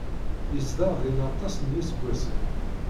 Yezdeɣ din aṭas n yiseggasen.